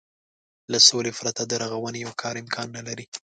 له سولې پرته د رغونې يو کار امکان نه لري.